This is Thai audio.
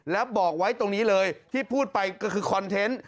แล้วบอกไว้ตรงนี้เลยที่พูดไปก็คือคอนเทนต์